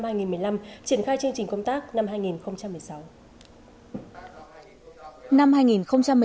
triển khai chương trình công tác năm hai nghìn một mươi sáu